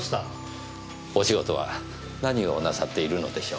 お仕事は何をなさっているのでしょう？